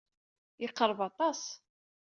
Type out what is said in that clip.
Yeqreb aṭas.